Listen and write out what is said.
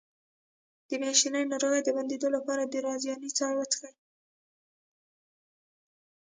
د میاشتنۍ ناروغۍ د بندیدو لپاره د رازیانې چای وڅښئ